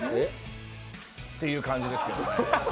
っていう感じですけどね。